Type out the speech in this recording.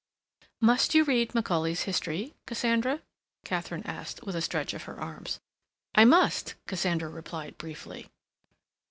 "Must you read Macaulay's History, Cassandra?" Katharine asked, with a stretch of her arms. "I must," Cassandra replied briefly.